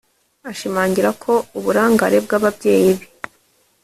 Ashimangira ko uburangare bw’ababyeyi be